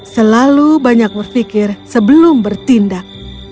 selalu banyak berpikir sebelum bertindak